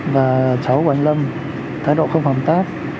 và cháu của anh lâm thái độ không hợp tác